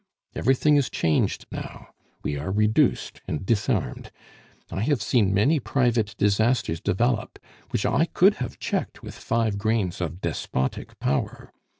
Everything is changed now; we are reduced and disarmed! I have seen many private disasters develop, which I could have checked with five grains of despotic power.